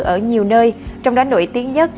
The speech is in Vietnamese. ở nhiều nơi trong đó nổi tiếng nhất